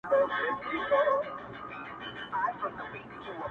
• خدایه ته چیري یې او ستا مهرباني چیري ده_